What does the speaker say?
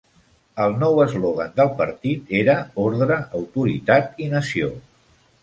El nou eslògan del partit era "Ordre, Autoritat i Nació".